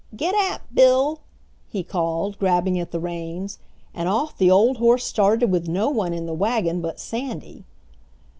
"Get app, Bill!" he called, grabbing at the reins, and off the old horse started with no one in the wagon but Sandy!